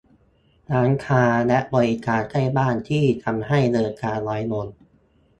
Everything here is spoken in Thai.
- ร้านค้าและบริการใกล้บ้านที่ทำให้เดินทางน้อยลง